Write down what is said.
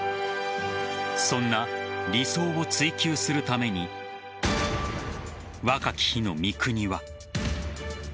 そんな理想を追求するために若き日の三國は。